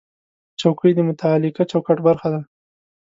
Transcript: چوکۍ د متعلقه چوکاټ برخه ده.